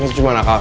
gue saktinya kok